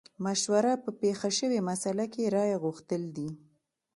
مشوره په پېښه شوې مسئله کې رايه غوښتل دي.